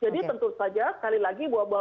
jadi tentu saja sekali lagi